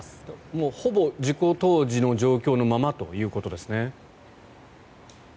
もうほぼ事故当時の状況のままということですね。